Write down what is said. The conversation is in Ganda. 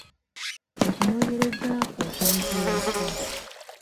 Okunoonyereza kwo kwazula ki?